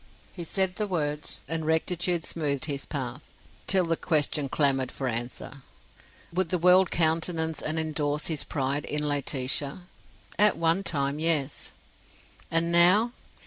He said the words, and rectitude smoothed his path, till the question clamoured for answer: Would the world countenance and endorse his pride in Laetitia? At one time, yes. And now?